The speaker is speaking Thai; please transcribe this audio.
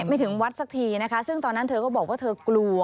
ถึงวัดสักทีนะคะซึ่งตอนนั้นเธอก็บอกว่าเธอกลัว